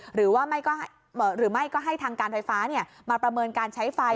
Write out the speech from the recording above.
หรือไม่ก็ให้ทางการไฟฟ้ามาประเมินการใช้ไฟ